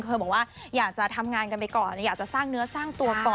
บอกว่าอยากจะทำงานกันไปก่อนอยากจะสร้างเนื้อสร้างตัวก่อน